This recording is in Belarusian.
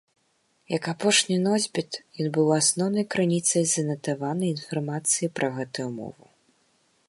Як апошні носьбіт, ён быў асноўнай крыніцай занатаванай інфармацыі пра гэтую мову.